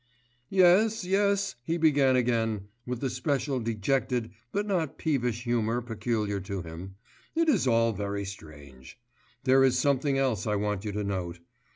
'Yes, yes,' he began again, with the special dejected but not peevish humour peculiar to him, 'it is all very strange. And there is something else I want you to note.